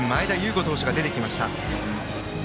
伍投手が出てきました。